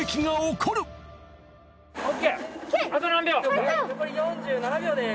残り４７秒です！